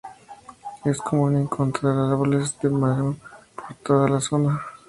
Es común encontrar árboles de mango por toda la zona.